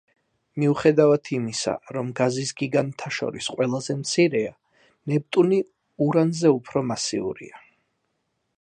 მიუხედავად იმისა, რომ გაზის გიგანტთა შორის ყველაზე მცირეა, ნეპტუნი ურანზე უფრო მასიურია.